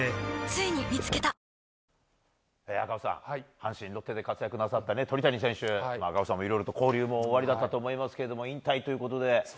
阪神、ロッテで活躍された鳥谷選手が赤星さんもいろいろ交流おありだったと思いますが引退ということで。